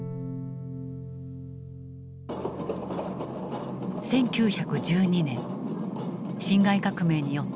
１９１２年辛亥革命によって清朝は滅亡。